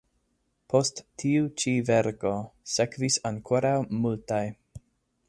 Post tiu ĉi verko sekvis ankoraŭ multaj.